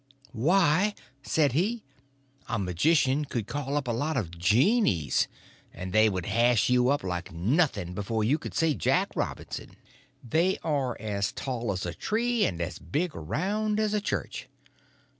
"Why," said he, "a magician could call up a lot of genies, and they would hash you up like nothing before you could say Jack Robinson. They are as tall as a tree and as big around as a church."